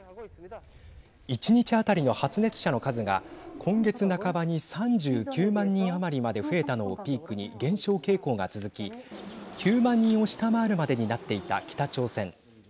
１日当たりの発熱者の数が今月半ばに３９万人余りまで増えたのをピークに減少傾向が続き９万人を下回るまでになっていた北朝鮮。